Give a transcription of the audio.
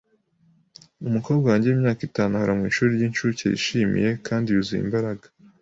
Umukobwa wanjye wimyaka itanu ahora mu ishuri ryincuke yishimye kandi yuzuye imbaraga.